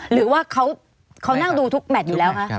หรือว่าเขานั่งดูทุกแมทอยู่แล้วคะ